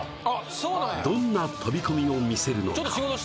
そうなんやどんな飛び込みを見せるのか？